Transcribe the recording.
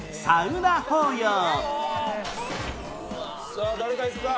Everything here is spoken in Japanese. さあ誰かいくか？